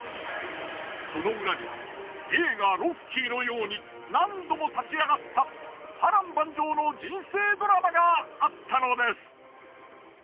その裏には映画『ロッキー』のように何度も立ち上がった波瀾万丈の人生ドラマがあったのです。